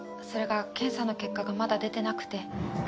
それが検査の結果がまだ出てなくて。